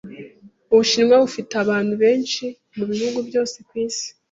Ubushinwa bufite abantu benshi mubihugu byose kwisi. )